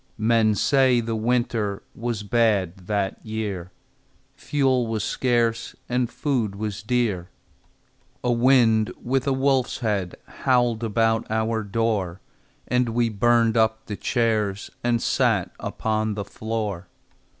Men say the winter Was bad that year; Fuel was scarce, And food was dear. A wind with a wolf's head Howled about our door, And we burned up the chairs And sat upon the floor.